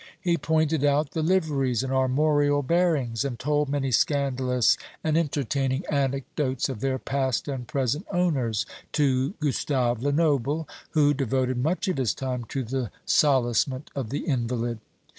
He pointed out the liveries and armorial bearings; and told many scandalous and entertaining anecdotes of their past and present owners to Gustave Lenoble, who devoted much of his time to the solacement of the invalid.